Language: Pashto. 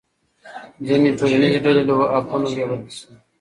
ځینې ټولنیزې ډلې له حقونو بې برخې شوې.